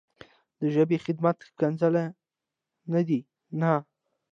د ژبې خدمت ښکنځل نه دي نه.